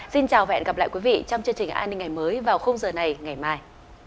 xin chào và hẹn gặp lại quý vị trong chương trình an ninh ngày mới vào giờ này ngày mai